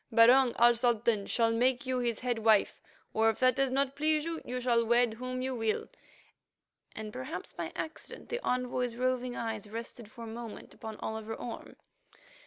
Barung, our Sultan, shall make you his head wife; or, if that does not please you, you shall wed whom you will"—and, perhaps by accident, the envoy's roving eyes rested for a moment upon Oliver Orme.